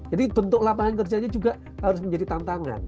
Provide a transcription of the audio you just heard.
jadi bentuk lapangan kerja juga harus menjadi tantangan